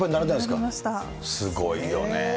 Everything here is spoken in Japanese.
すごいよね。